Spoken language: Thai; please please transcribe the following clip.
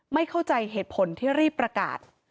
ไม่เข้าใจเหตุผลที่รีบประกาศ